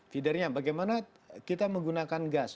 feedernya bagaimana kita menggunakan gas